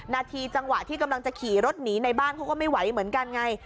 นาทีจังหวะที่กำลังจะขี่รถหนีในบ้านเขาก็ไม่ไหวเหมือนกันไง